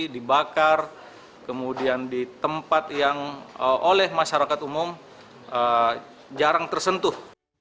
dibakar kemudian di tempat yang oleh masyarakat umum jarang tersentuh